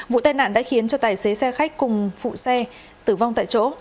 vụ tai nạn đã khiến cho tài xế xe khách cùng phụ xe tử vong tại chỗ